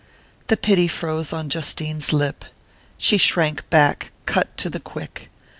The pity froze on Justine's lip: she shrank back cut to the quick.